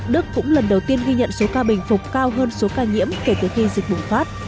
đức cũng lần đầu tiên ghi nhận số ca bình phục cao hơn số ca nhiễm kể từ khi dịch bùng phát